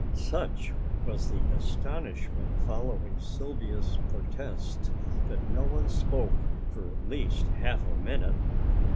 Such was the astonishment following Sylvia's protest that no one spoke for at least half a minute.